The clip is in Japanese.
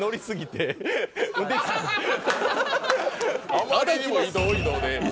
あまりにも移動移動で。